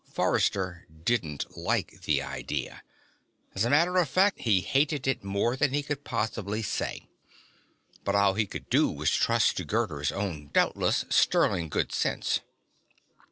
Forrester didn't like the idea. As a matter of fact, he hated it more than he could possibly say. But all he could do was trust to Gerda's own doubtless sterling good sense.